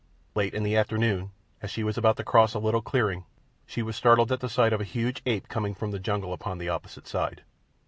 Late in the afternoon, as she was about to cross a little clearing, she was startled at the sight of a huge ape coming from the jungle upon the opposite side.